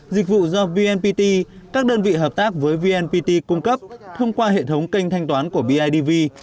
dịch vụ do vnpt các đơn vị hợp tác với vnpt cung cấp thông qua hệ thống kênh thanh toán của bidv